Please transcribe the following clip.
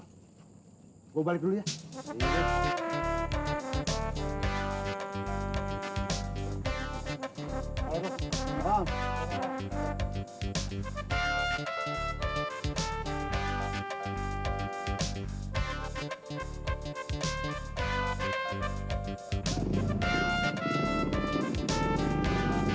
temennya si ali